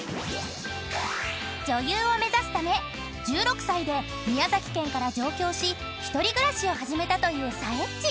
［女優を目指すため１６歳で宮崎県から上京し１人暮らしを始めたというさえっち］